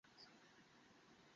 তাদের প্রতিভা আছে বলে!